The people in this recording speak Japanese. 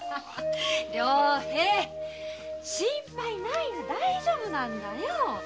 良平心配ないよ大丈夫なんだよ。